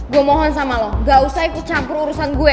gue mohon sama lo gak usah ikut campur urusan gue